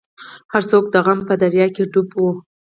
هر څوک د غم په دریا کې ډوب وو.